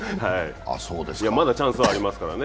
まだチャンスはありますからね。